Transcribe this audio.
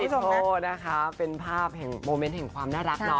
โทษนะคะเป็นภาพแห่งโมเมนต์แห่งความน่ารักเนาะ